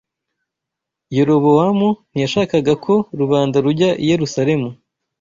Yerobowamu ntiyashakaga ko rubanda rujya i Yerusalemu